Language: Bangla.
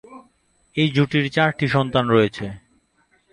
এই জুটির চারটি সন্তান রয়েছে।